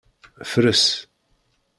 Fres.